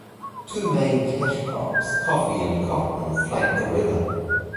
Two main cash crops, coffee and cotton, flank the river.